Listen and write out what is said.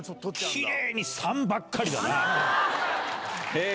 きれいに３ばっかりだな。